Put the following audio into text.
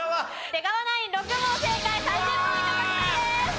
出川ナイン６問正解３０ポイント獲得です。